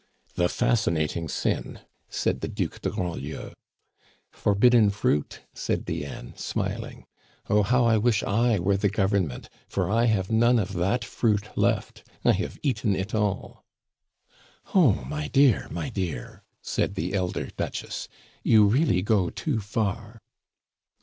"The fascinating sin," said the Duc de Grandlieu. "Forbidden fruit!" said Diane, smiling. "Oh! how I wish I were the Government, for I have none of that fruit left I have eaten it all." "Oh! my dear, my dear!" said the elder Duchess, "you really go too far."